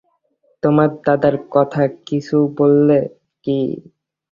তোমার দাদার কথা কিছু বললেন কি?